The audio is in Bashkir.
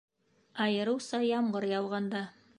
Айырыуса ямғыр яуғанда.